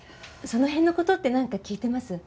その辺の事ってなんか聞いてます？